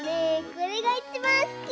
これがいちばんすき！